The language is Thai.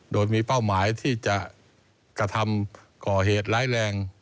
โดยมีเป้าหมายที่จะกระทำก่อเหตุร้ายแรง